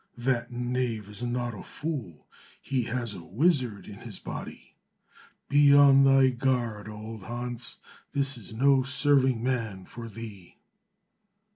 "That knave is not a fool, he has a wizard in his body. Be on thy guard, old Hans, this is no serving man for thee."